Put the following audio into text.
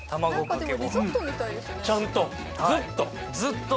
ちゃんとずっと？